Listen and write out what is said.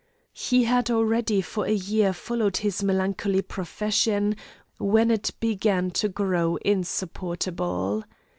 He had already for a year followed his melancholy profession, when it began to grow insupportable.